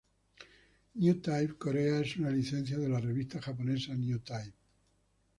Newtype Corea es una licencia de la revista japonesa Newtype.